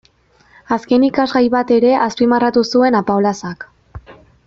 Azken ikasgai bat ere azpimarratu zuen Apaolazak.